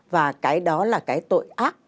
và cái đó là cái tội ác